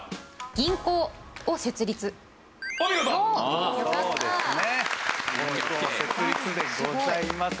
銀行を設立でございます。